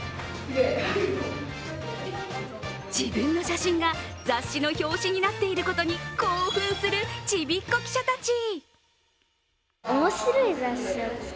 自分の写真が雑誌の表紙になっていることに興奮するちびっ子記者たち。